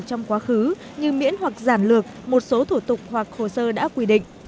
trong quá khứ như miễn hoặc giản lược một số thủ tục hoặc khổ sơ đã quy định